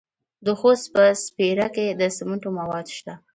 د خوست په سپیره کې د سمنټو مواد شته.